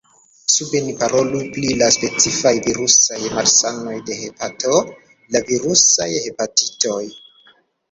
Sube ni parolu pri la specifaj virusaj malsanoj de hepato: la virusaj hepatitoj.